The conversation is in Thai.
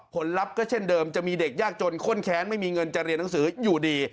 ลับก็เช่นเดิมจะมีเด็กยากจนข้นแค้นไม่มีเงินจะเรียนหนังสืออยู่ดี